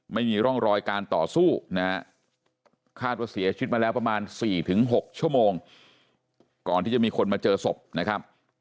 ไม่มีร่องรอยการต่อสู้นะฮะ